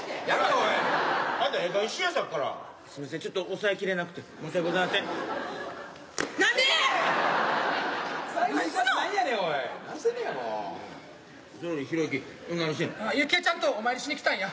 幸恵ちゃんとお参りしに来たんや。